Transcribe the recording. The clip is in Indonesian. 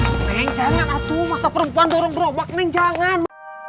neng jangan atuh masa perempuan dorong berobak neng jangan